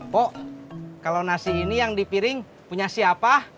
pok kalau nasi ini yang dipiring punya siapa